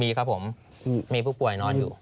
มีครับผมมีผู้ป่วยนอนอยู่